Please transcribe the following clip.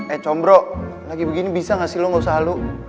eh combro lagi begini bisa gak sih lo gak usah lo